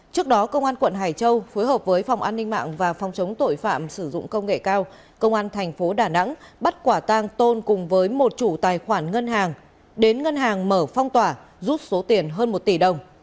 trước đó công an quận hải châu phối hợp với phòng an ninh mạng và phòng chống tội phạm sử dụng công nghệ cao công an thành phố đà nẵng bắt quả tang tôn cùng với một chủ tài khoản ngân hàng đến ngân hàng mở phong tỏa rút số tiền hơn một tỷ đồng